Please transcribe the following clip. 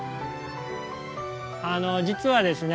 あの実はですね